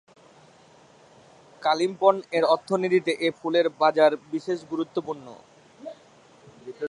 কালিম্পং-এর অর্থনীতিতে এই ফুলের বাজার বিশেষ গুরুত্বপূর্ণ।